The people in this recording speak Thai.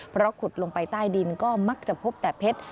เพราะขุดลงไปใต้ดินก็มักจะพบแต่เพชร